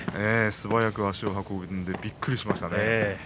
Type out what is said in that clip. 素早く足を運んでびっくりしましたね。